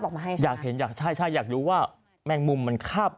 มาให้ใช่ไหมอยากเห็นอยากใช่ใช่อยากรู้ว่าแมงมุมมันคาบ